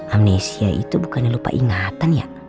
amnesia itu bukannya lupa ingatan ya